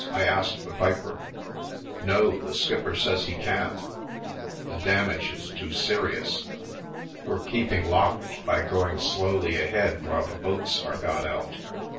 I asked the piper. "No, the skipper says he can't, the damage is too serious. We're keeping locked by going slowly ahead while the boats are got out.